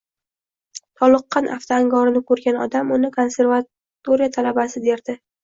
Toliqqan afti angorini ko`rgan odam uni konservatoriya talabasi derdi